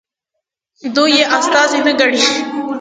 دوی یې استازي نه ګڼي.